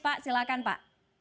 pak silakan pak